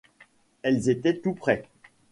Elles étaient tout près.